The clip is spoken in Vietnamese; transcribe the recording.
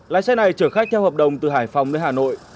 lái xe này chở khách theo hợp đồng từ hải phòng đến hà nội